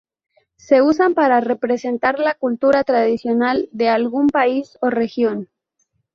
Se usan para representar la cultura tradicional de algún país o región.